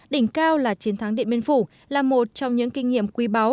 đỉnh cao là chiến thắng điện biên phủ là một trong những kinh nghiệm quý báu